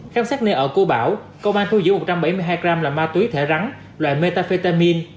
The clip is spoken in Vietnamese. khám sát nơi ở cô bảo công an thu giữ một trăm bảy mươi hai gram ma túy thẻ rắn loại metafetamin